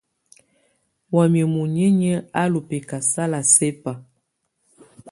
Wamɛ̀á muninyǝ́ á lɔ̀ bɛ̀kasala sɛ̀ba.